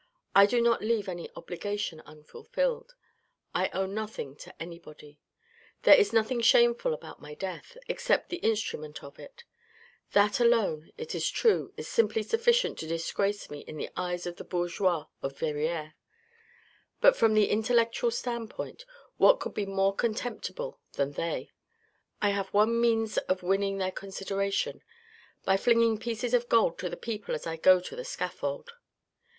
I do not leave any obligation unfulfilled. I owe nothing to anybody ; there is nothing shameful about my death, except the instrument of it ; that alone, it is true, is simply sufficient to disgrace me in the eyes of the bourgeois of Verrieres; but from the in tellectual standpoint, what could be more contemptible than they ? I have one means of winning their consideration ; by flinging pieces of gold to the people as I go to the scaffold.